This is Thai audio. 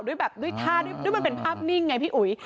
แบบด้วยท่าด้วยมันเป็นภาพนิ่งไงพี่อุ๋ย